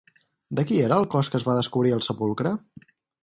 De qui era el cos que es va descobrir al sepulcre?